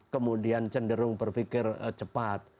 kemudian cenderung berpikir cepat